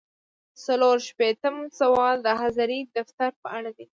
څلور شپیتم سوال د حاضرۍ د دفتر په اړه دی.